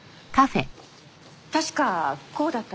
確かこうだったと。